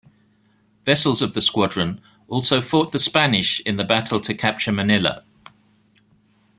Vessels of the squadron also fought the Spanish in the battle to capture Manila.